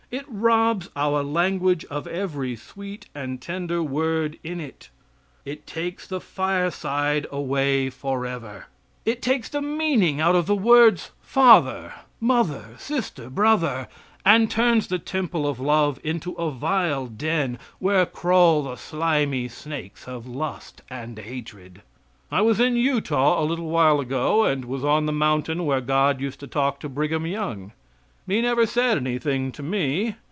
It robs our language of every sweet and tender word in it. It takes the fire side away forever. It takes the meaning out of the words father, mother, sister, brother, and turns the temple of love into a vile den where crawl the slimy snakes of lust and hatred. I was in Utah a little while ago, and was on the mountain where God used to talk to Brigham Young. He never said anything to me.